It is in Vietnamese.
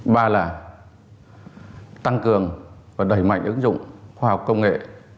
ba là tăng cường và đẩy mạnh ứng dụng khoa học công nghệ